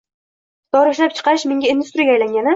dori ishlab-chiqarish mega-industriyaga aylangani.